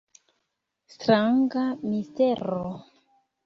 Stranga mistero!